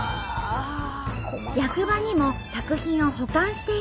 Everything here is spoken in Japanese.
役場にも作品を保管しているようで。